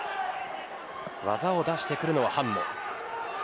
技を出してくるのはハンモ。